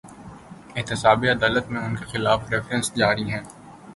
احتساب عدالت میں ان کے خلاف ریفرنس جاری ہیں۔